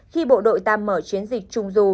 khi bộ đội ta mở chiến dịch trung du